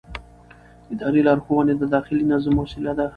اداري لارښوونې د داخلي نظم وسیله ده.